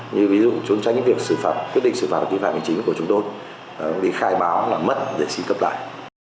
như ví dụ trốn tránh cái việc xử phạm quyết định xử phạm người vi phạm chính của chúng tôi bị khai báo là mất để xin cấp lại